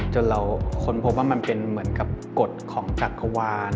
จนเราค้นพบว่ามันเป็นเหมือนกับกฎของจักรวาล